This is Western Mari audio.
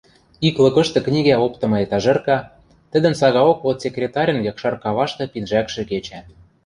Ик лыкышты книгӓ оптымы этажерка, тӹдӹн сагаок отсекретарьын якшар кавашты пинжӓкшӹ кечӓ.